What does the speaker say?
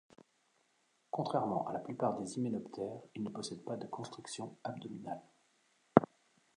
Contrairement à la plus part des hyménoptères il ne possède pas de constriction abdominale.